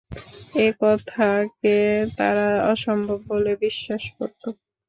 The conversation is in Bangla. এ কথাকে তারা অসম্ভব বলে বিশ্বাস করত।